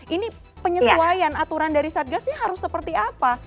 ini penyesuaian aturan dari satgasnya harus seperti apa